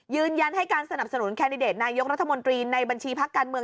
ยืนยันให้การสนับสนุนแคนดิเดตนายกรัฐมนตรีในบัญชีพักการเมือง